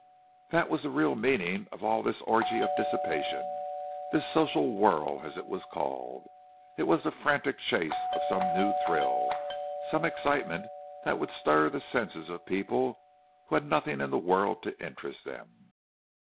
That was the real meaning of all this orgy of dissipation—this "social whirl" as it was called; it was the frantic chase of some new thrill, some excitement that would stir the senses of people who had nothing in the world to interest them.